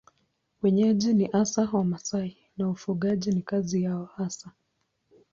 Wenyeji ni hasa Wamasai na ufugaji ni kazi yao hasa.